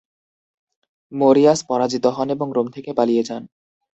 Maria's পরাজিত হন এবং রোম থেকে পালিয়ে যান।